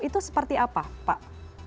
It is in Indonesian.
itu seperti apa pak